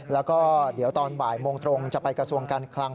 แล้วก็เดี๋ยวตอนบ่ายโมงตรงจะไปกระทรวงการคลัง